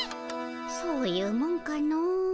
そういうもんかのう。